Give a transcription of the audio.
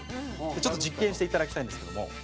ちょっと実験していただきたいんですけども。